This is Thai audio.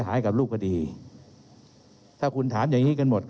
เรามีการปิดบันทึกจับกลุ่มเขาหรือหลังเกิดเหตุแล้วเนี่ย